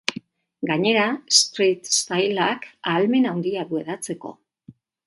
Gainera, street style-ak ahalmen handia du hedatzeko.